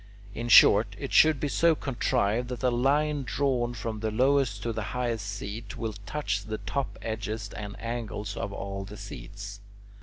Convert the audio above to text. In short, it should be so contrived that a line drawn from the lowest to the highest seat will touch the top edges and angles of all the seats.